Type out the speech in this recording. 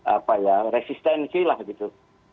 apa ya resistensi lah gitu